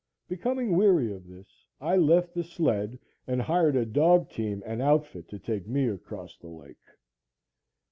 Becoming weary of this, I left the sled and hired a dog team and outfit to take me across the lake.